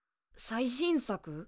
最新作？